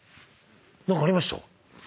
何かありました？